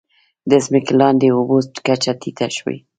د ځمکې لاندې اوبو کچه ټیټه شوې؟